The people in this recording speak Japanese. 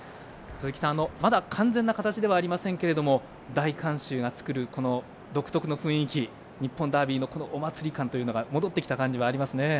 鈴木さんまだ完全な形ではありませんけど大観衆が作る、この独特の雰囲気日本ダービーのお祭り感というのが戻ってきた感じがありますね。